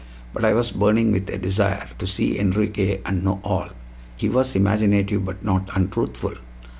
But I was burning with a desire to see Enriquez and know all. He was imaginative but not untruthful.